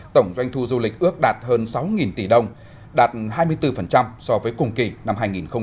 tổng doanh thu du lịch ước đạt hơn sáu tỷ đồng đạt hai mươi bốn so với cùng kỳ năm hai nghìn một mươi chín